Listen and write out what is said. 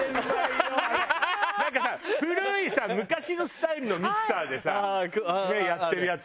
なんかさ古いさ昔のスタイルのミキサーでさやってるやつ。